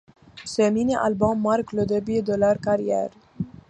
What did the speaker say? Ce mini-album marque le début de leur carrière.